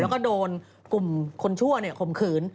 แล้วก็โดนกลุ่มคนชั่วข่มขืน